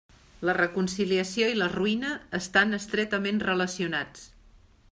La reconciliació i la ruïna estan estretament relacionats.